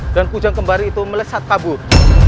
dan kujang kembar itu melesat kabur